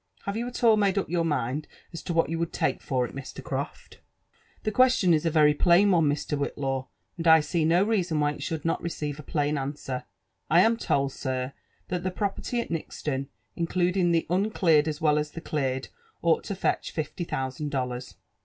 Have you at all made up your mind as to what you would take for it, Mr. Croft T' ••The question is a very plain one, Mr. Whillaw, and I see no reason why it should not recc'ive a plain answer. I am told, sir, that the property at Nixlon, including the uncleared as well as the cleared, ought to felch fifty thousand dollars."